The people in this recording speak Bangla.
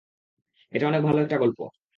এটা অনেক ভাল একটা গল্প।